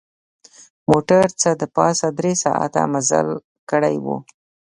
موټر څه د پاسه درې ساعته مزل کړی و.